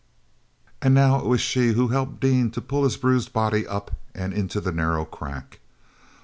And now it was she who helped Dean to pull his bruised body up and into the narrow crack.